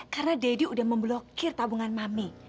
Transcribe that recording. karena daddy udah memblokir tabungan mami